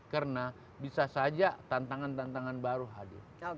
karena bisa saja tantangan tantangan baru hadir